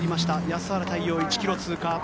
安原太陽、１ｋｍ通過。